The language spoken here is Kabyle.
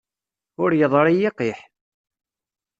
Ur yeḍṛi yiqiḥ.